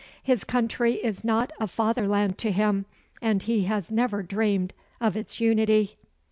His country is not a fatherland to him, and he has never dreamed of its unity.